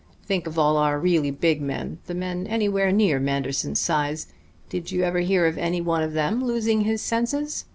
Think of all our really big men the men anywhere near Manderson's size: did you ever hear of any one of them losing his senses?